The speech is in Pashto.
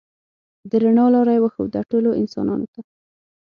د رڼا لاره یې وښوده ټولو انسانانو ته.